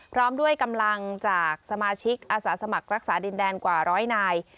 พร้อมด้วยกำลังจากสมาชิกอาสาสมัครรักษาดินแดนกว่าร้อยนาย